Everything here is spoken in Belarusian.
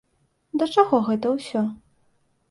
Да чаго гэта ўсё?